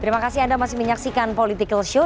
terima kasih anda masih menyaksikan political show